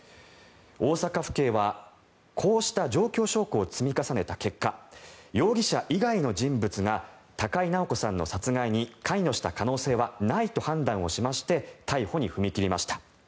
大阪府警はこうした状況証拠を積み重ねた結果容疑者以外の人物が高井直子さんの殺害に関与した可能性はないと判断をしまして逮捕に踏み切りました。